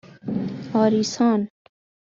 آریسان